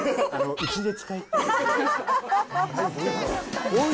うちで使いたい。